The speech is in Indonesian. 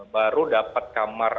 baru dapat kamar